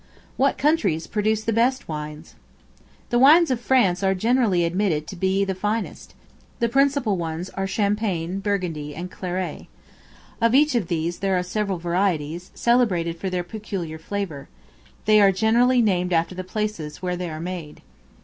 What countries produce the best Wines? The wines of France are generally admitted to be the finest; the principal ones are Champagne, Burgundy, and Claret. Of each of these, there are several varieties, celebrated for their peculiar flavor; they are generally named after the places where they are made.